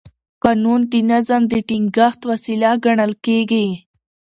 قانون د نظم د ټینګښت وسیله ګڼل کېږي.